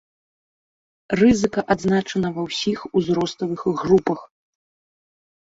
Рызыка адзначана ва ўсіх узроставых групах.